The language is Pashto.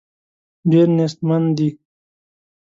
ډېر نېستمن دي.